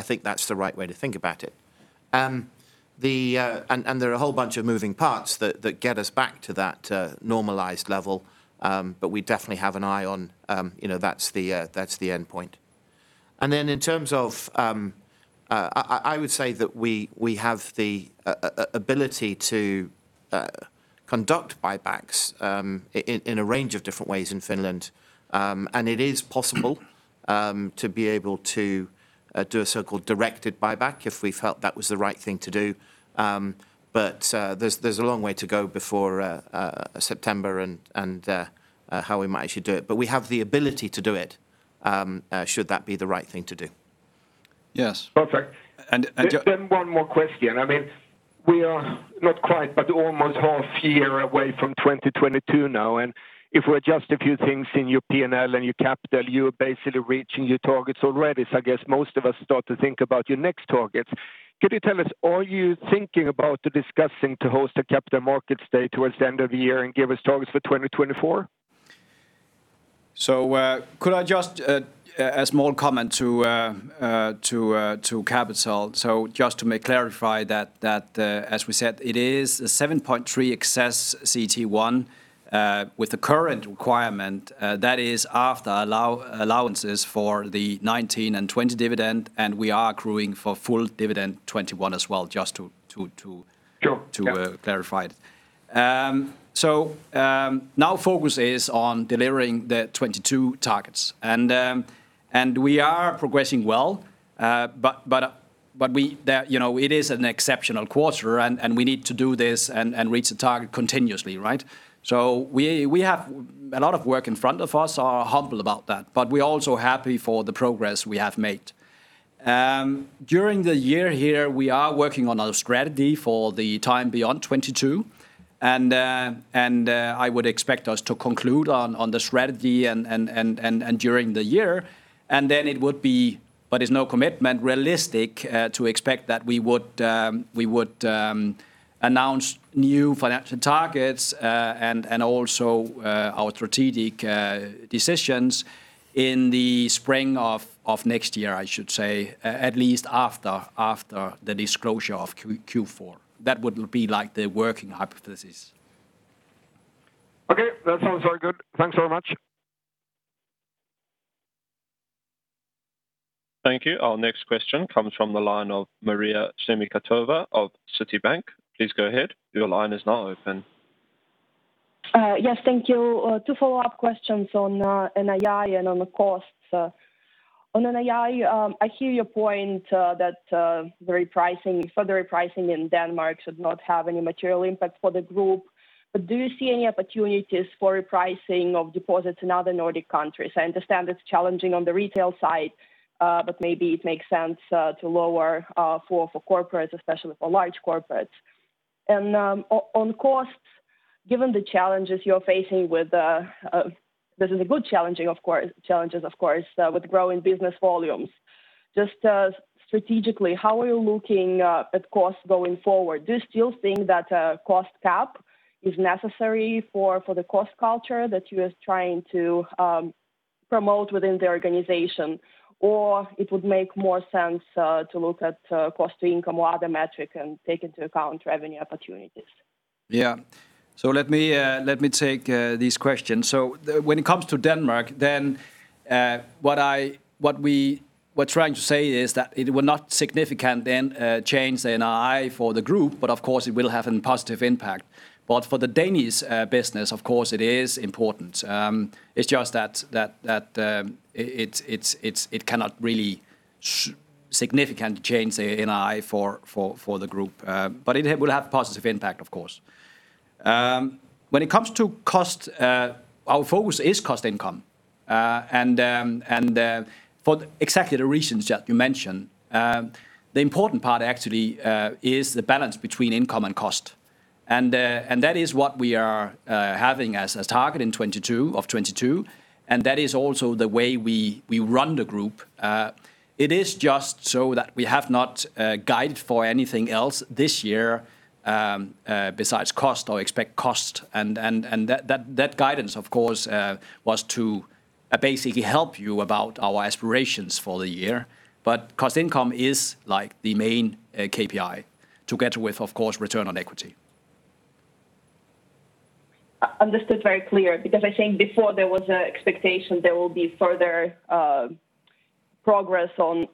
think that's the right way to think about it. There are a whole bunch of moving parts that get us back to that normalized level. We definitely have an eye on, that's the endpoint. In terms of, I would say that we have the ability to conduct buybacks in a range of different ways in Finland. It is possible to be able to do a so-called directed buyback if we felt that was the right thing to do. There's a long way to go before September and how we might actually do it. We have the ability to do it should that be the right thing to do. Yes. Perfect. And ju- One more question. We are not quite, but almost half year away from 2022 now, and if we adjust a few things in your P&L and your capital, you're basically reaching your targets already. I guess most of us start to think about your next targets. Could you tell us, are you thinking about discussing to host a capital markets day towards the end of the year and give us targets for 2024? Could I just add a small comment to capital. Just to clarify that as we said, it is a 7.3 excess CET1 with the current requirement that is after allowances for the 2019 and 2020 dividend, and we are accruing for full dividend 2021 as well. Sure, yeah. clarify it. Now focus is on delivering the 2022 targets. We are progressing well, but it is an exceptional quarter, and we need to do this and reach the target continuously. We have a lot of work in front of us, are humble about that, but we're also happy for the progress we have made. During the year here, we are working on our strategy for the time beyond 2022. I would expect us to conclude on the strategy and during the year, and then it would be, but is no commitment realistic to expect that we would announce new financial targets, and also our strategic decisions in the spring of next year, I should say, at least after the disclosure of Q4. That would be like the working hypothesis. Okay. That sounds very good. Thanks so much. Thank you. Our next question comes from the line of Maria Semikhatova of Citigroup. Please go ahead. Yes, thank you. Two follow-up questions on NII and on the costs. On NII, I hear your point that further pricing in Denmark should not have any material impact for the group, do you see any opportunities for repricing of deposits in other Nordic countries? I understand it's challenging on the retail side, maybe it makes sense to lower for corporates, especially for large corporates. On costs, given the challenges you're facing, this is a good challenges of course with growing business volumes. Just strategically, how are you looking at costs going forward? Do you still think that a cost cap is necessary for the cost culture that you are trying to promote within the organization? It would make more sense to look at cost to income or other metric and take into account revenue opportunities? Yeah. Let me take these questions. When it comes to Denmark then what we were trying to say is that it will not significantly change the NII for the group, but of course it will have a positive impact. For the Danish business, of course it is important. It's just that it cannot really significantly change the NII for the group. It will have positive impact, of course. When it comes to cost, our focus is cost income. For exactly the reasons that you mentioned, the important part actually is the balance between income and cost. That is what we are having as a target of 2022, and that is also the way we run the group. It is just so that we have not guided for anything else this year besides cost or expect cost. That guidance of course, was to basically help you about our aspirations for the year. Cost income is the main KPI together with, of course, return on equity. Understood, very clear. I think before there was an expectation there will be further progress on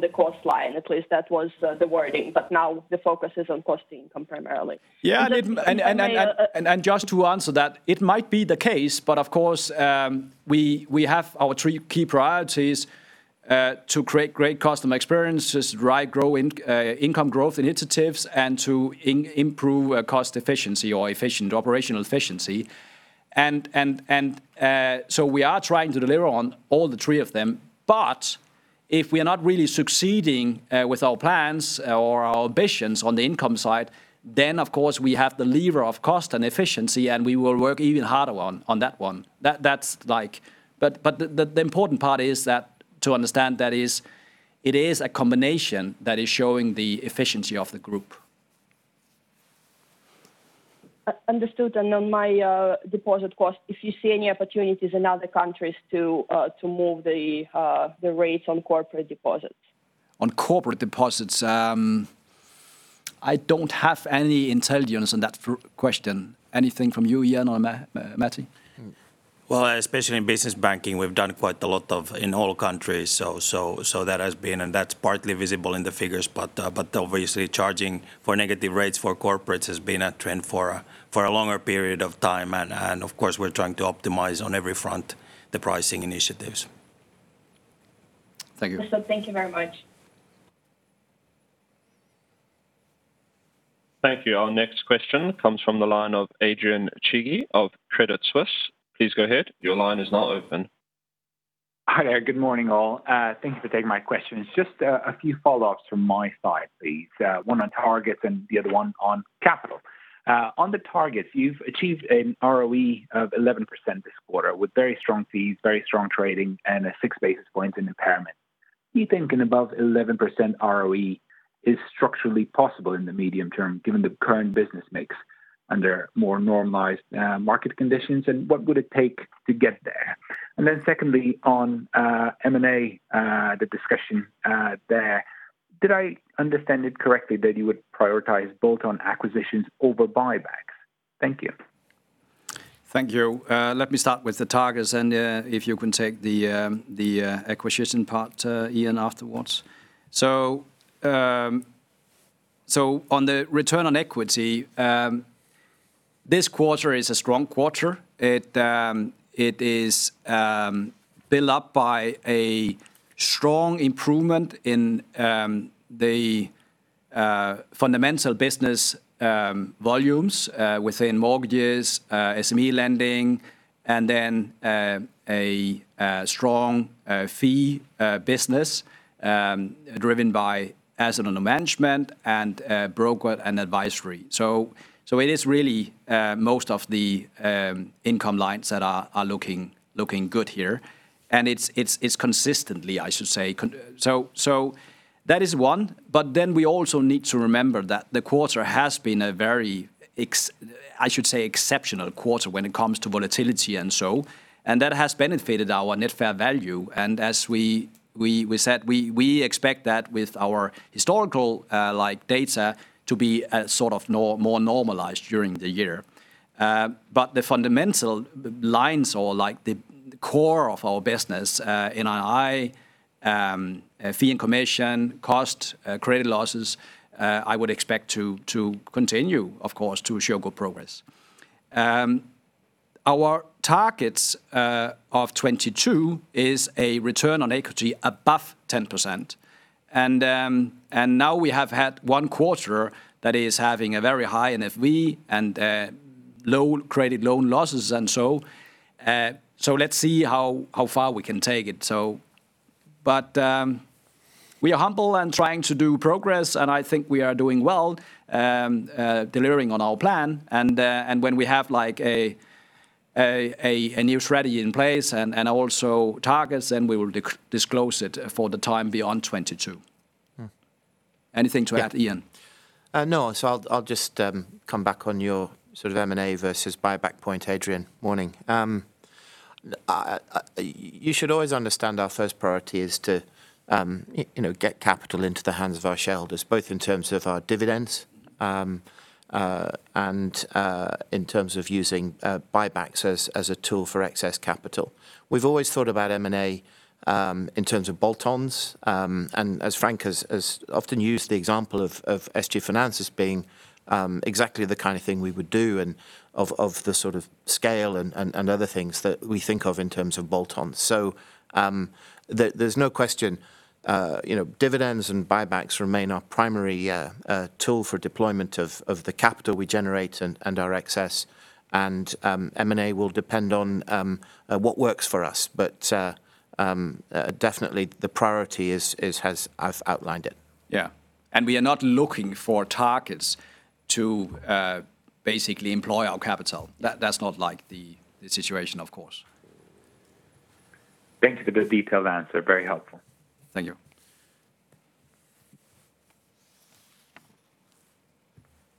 the cost line, at least that was the wording, but now the focus is on cost income primarily. Yeah. And if I may- Just to answer that, it might be the case, but of course, we have our three key priorities, to create great customer experiences, drive income growth initiatives, and to improve cost efficiency or operational efficiency. So we are trying to deliver on all the three of them. If we are not really succeeding with our plans or our ambitions on the income side, then of course we have the lever of cost and efficiency, and we will work even harder on that one. The important part is that to understand that is, it is a combination that is showing the efficiency of the group. Understood. On my deposit cost, if you see any opportunities in other countries to move the rates on corporate deposits. On corporate deposits, I don't have any intelligence on that question. Anything from you, Ian or Matti? Well, especially in business banking, we've done quite a lot of in all countries. That has been, and that's partly visible in the figures, but obviously charging for negative rates for corporates has been a trend for a longer period of time, and of course, we're trying to optimize on every front the pricing initiatives. Thank you. Thank you very much. Thank you. Our next question comes from the line of Adrian Cighi of Credit Suisse. Please go ahead. Your line is now open. Hi there. Good morning, all. Thank you for taking my question. It's just a few follow-ups from my side, please. One on targets and the other one on capital. On the targets, you've achieved an ROE of 11% this quarter with very strong fees, very strong trading, and a six basis points in impairment. Do you think above 11% ROE is structurally possible in the medium term given the current business mix under more normalized market conditions, and what would it take to get there? Secondly, on M&A, the discussion there. Did I understand it correctly that you would prioritize bolt-on acquisitions over buybacks? Thank you. Thank you. Let me start with the targets and if you can take the acquisition part, Ian, afterwards. On the return on equity, this quarter is a strong quarter. It is built up by a strong improvement in the fundamental business volumes within mortgages, SME lending, a strong fee business driven by assets under management and broker and advisory. It is really most of the income lines that are looking good here, and it's consistently, I should say. That is one, we also need to remember that the quarter has been a very, I should say, exceptional quarter when it comes to volatility, and that has benefited our net fair value. As we said, we expect that with our historical data to be more normalized during the year. The fundamental lines or the core of our business, NII, fee and commission, cost, credit losses, I would expect to continue, of course, to show good progress. Our targets of 2022 is a return on equity above 10%, and now we have had one quarter that is having a very high NFV and low credit loan losses and so let's see how far we can take it. We are humble and trying to do progress, and I think we are doing well delivering on our plan, and when we have a new strategy in place and also targets, then we will disclose it for the time beyond 2022. Anything to add, Ian? I'll just come back on your sort of M&A versus buyback point, Adrian Cighi. Morning. You should always understand our first priority is to get capital into the hands of our shareholders, both in terms of our dividends and in terms of using buybacks as a tool for excess capital. We've always thought about M&A in terms of bolt-ons, and as Frank Vang-Jensen has often used the example of SG Finans being exactly the kind of thing we would do and of the sort of scale and other things that we think of in terms of bolt-ons. There's no question, dividends and buybacks remain our primary tool for deployment of the capital we generate and our excess, and M&A will depend on what works for us. Definitely the priority is as I've outlined it. Yeah. We are not looking for targets to basically employ our capital. That's not the situation, of course. Thank you for the detailed answer. Very helpful. Thank you.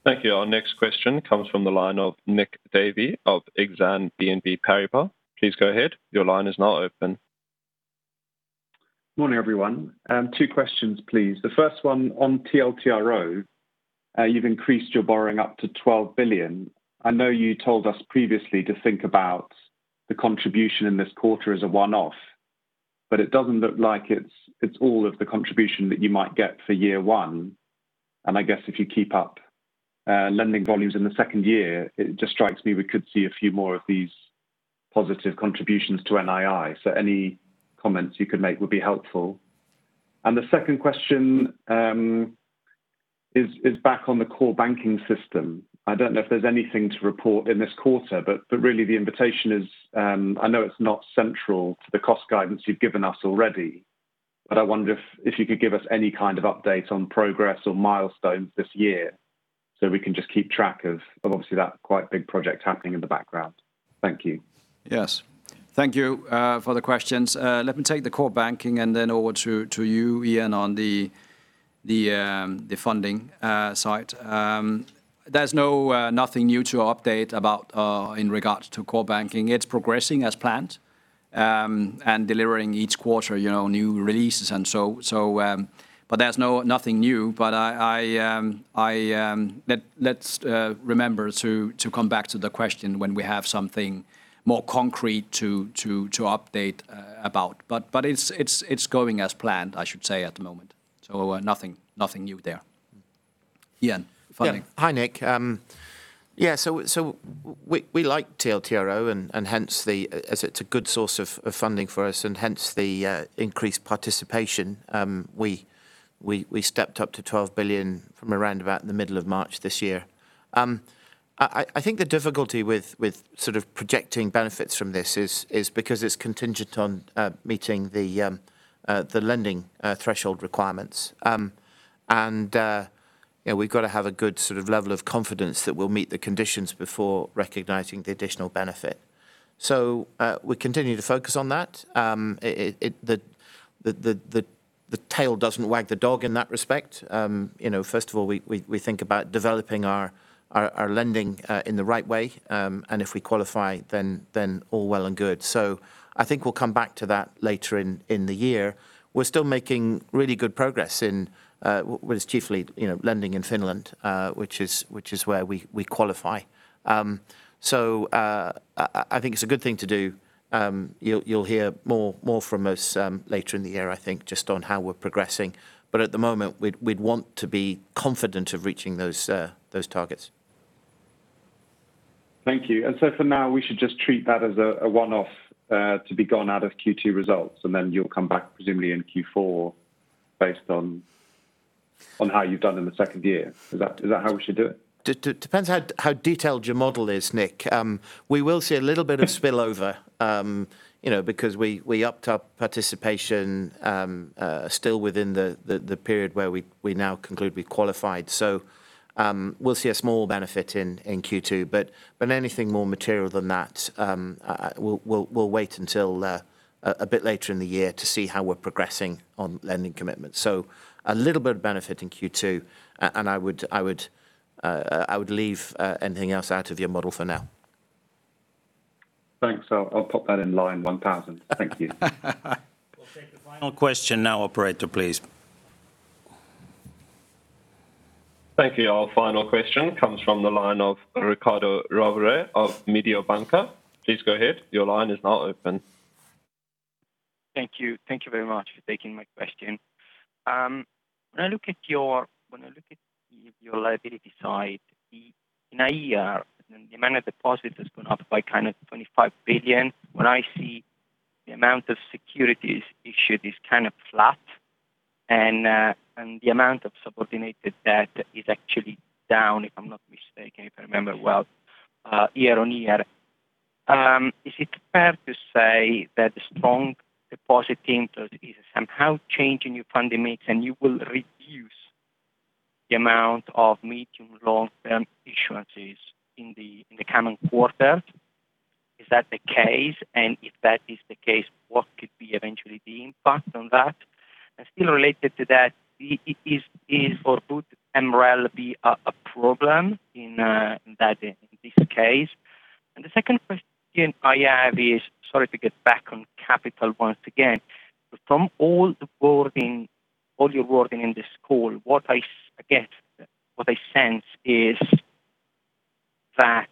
Thank you. Our next question comes from the line of Nick Davey of Exane BNP Paribas. Please go ahead. Your line is now open. Morning, everyone. Two questions, please. The first one on TLTRO. You've increased your borrowing up to 12 billion. I know you told us previously to think about the contribution in this quarter as a one-off, but it doesn't look like it's all of the contribution that you might get for year 1, and I guess if you keep up lending volumes in the second year, it just strikes me we could see a few more of these positive contributions to NII. The second question is back on the core banking system. I don't know if there's anything to report in this quarter, but really the invitation is, I know it's not central to the cost guidance you've given us already, but I wonder if you could give us any kind of update on progress or milestones this year so we can just keep track of obviously that quite big project happening in the background. Thank you. Yes. Thank you for the questions. Let me take the core banking and then over to you, Ian, on the funding side. There's nothing new to update about in regards to core banking. It's progressing as planned, and delivering each quarter new releases. There's nothing new. Let's remember to come back to the question when we have something more concrete to update about. It's going as planned, I should say, at the moment. Nothing new there. Ian, funding. Hi, Nick. We like TLTRO, and hence as it's a good source of funding for us and hence the increased participation, we stepped up to 12 billion from around about the middle of March this year. I think the difficulty with sort of projecting benefits from this is because it's contingent on meeting the lending threshold requirements. We've got to have a good level of confidence that we'll meet the conditions before recognizing the additional benefit. We continue to focus on that. The tail doesn't wag the dog in that respect. We think about developing our lending in the right way, if we qualify, all well and good. I think we'll come back to that later in the year. We're still making really good progress in what is chiefly lending in Finland, which is where we qualify. I think it's a good thing to do. You'll hear more from us later in the year, I think, just on how we're progressing. At the moment, we'd want to be confident of reaching those targets. Thank you. For now, we should just treat that as a one-off to be gone out of Q2 results, you'll come back presumably in Q4 based on how you've done in the second year. Is that how we should do it? Depends how detailed your model is, Nick. We will see a little bit of spillover because we upped our participation still within the period where we now conclude we qualified. We'll see a small benefit in Q2. Anything more material than that, we'll wait until a bit later in the year to see how we're progressing on lending commitments. A little bit of benefit in Q2, and I would leave anything else out of your model for now. Thanks. I'll pop that in line 1,000. Thank you. We'll take the final question now, operator, please. Thank you. Our final question comes from the line of Riccardo Rovere of Mediobanca. Please go ahead. Your line is now open. Thank you. Thank you very much for taking my question. When I look at your liability side, in a year, the amount of deposits has gone up by kind of 25 billion. When I see the amount of securities issued is kind of flat and the amount of subordinated debt is actually down, if I'm not mistaken, if I remember well, year on year. Is it fair to say that the strong deposit input is somehow changing your funding mix, and you will reduce the amount of medium, long-term issuances in the coming quarter? Is that the case? If that is the case, what could be eventually the impact on that? Still related to that, is or would MREL be a problem in this case? The second question I have is, sorry to get back on capital once again, but from all your wording in this call, what I sense is that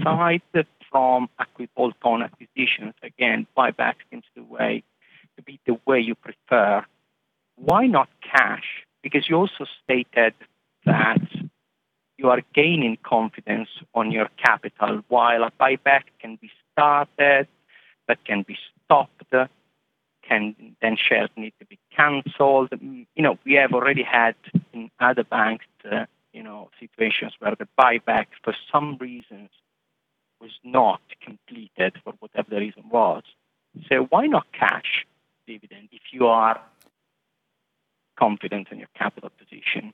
aside from acquisition, again, buybacks seems to be the way you prefer. Why not cash? You also stated that you are gaining confidence on your capital while a buyback can be started, but can be stopped, then shares need to be canceled. We have already had in other banks situations where the buyback for some reasons was not completed for whatever the reason was. Why not cash dividend if you are confident in your capital position?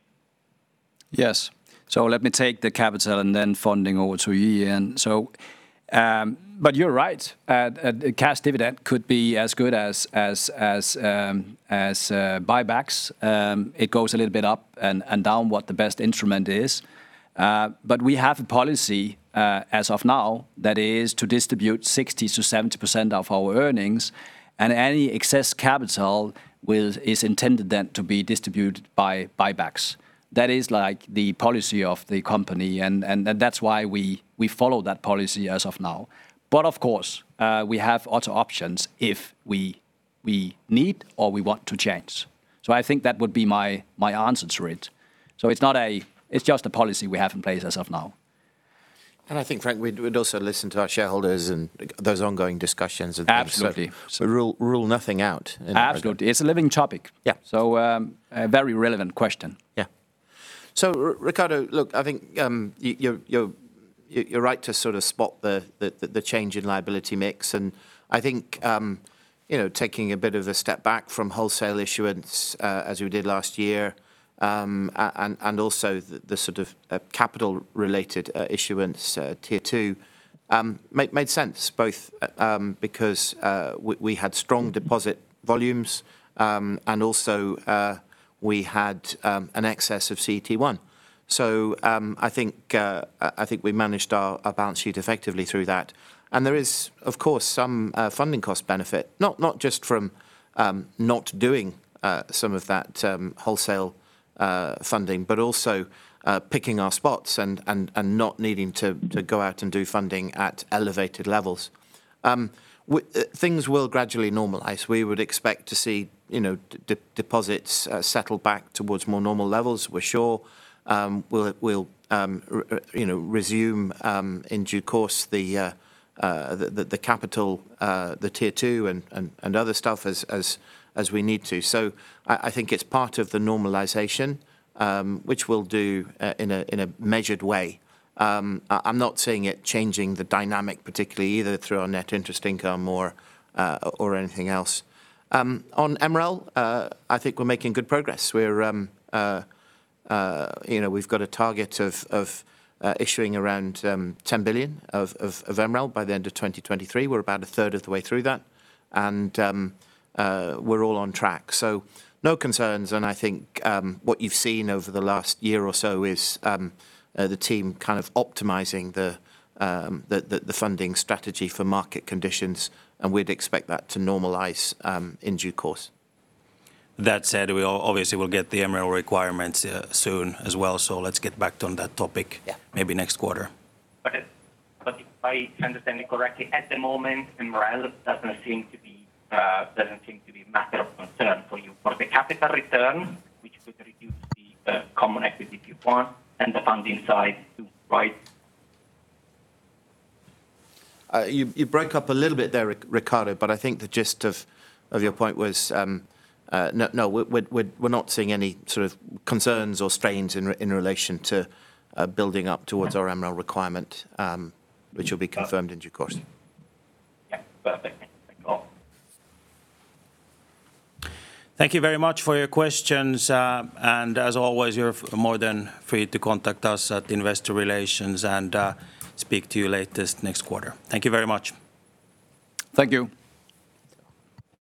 Yes. Let me take the capital and then funding over to Ian. You're right. A cash dividend could be as good as buybacks. It goes a little bit up and down what the best instrument is. We have a policy, as of now, that is to distribute 60%-70% of our earnings, and any excess capital is intended then to be distributed by buybacks. That is like the policy of the company, and that's why we follow that policy as of now. Of course, we have other options if we need or we want to change. I think that would be my answer to it. It's just a policy we have in place as of now. I think, Frank, we'd also listen to our shareholders and those ongoing discussions with them. Absolutely. Rule nothing out. Absolutely. It's a living topic. Yeah. A very relevant question. Yeah. Riccardo, look, I think you're right to spot the change in liability mix, and I think taking a bit of a step back from wholesale issuance as we did last year, and also the capital related issuance Tier 2 made sense both because we had strong deposit volumes, and also we had an excess of CET1. I think we managed our balance sheet effectively through that. There is of course some funding cost benefit, not just from not doing some of that wholesale funding, but also picking our spots and not needing to go out and do funding at elevated levels. Things will gradually normalize. We would expect to see deposits settle back towards more normal levels, we're sure. We'll resume in due course the capital Tier 2 and other stuff as we need to. I think it's part of the normalization, which we'll do in a measured way. I'm not seeing it changing the dynamic particularly either through our net interest income or anything else. On MREL, I think we're making good progress. We've got a target of issuing around EUR 10 billion of MREL by the end of 2023. We're about a third of the way through that, and we're all on track. No concerns, and I think what you've seen over the last year or so is the team optimizing the funding strategy for market conditions, and we'd expect that to normalize in due course. That said, we obviously will get the MREL requirements soon as well. Let's get back on that topic. Yeah maybe next quarter. Okay. If I understand you correctly, at the moment, MREL doesn't seem to be a matter of concern for you. For the capital return, which would reduce the common equity you want and the funding side too, right? You broke up a little bit there, Riccardo, but I think the gist of your point was, no, we're not seeing any sort of concerns or strains in relation to building up towards our MREL requirement which will be confirmed in due course. Yeah. Perfect. Thank you all. Thank you very much for your questions. As always, you're more than free to contact us at Investor Relations and speak to you latest next quarter. Thank you very much. Thank you.